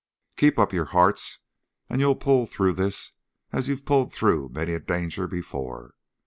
Keep up your hearts and you'll pull through this as you've pulled through many a danger before."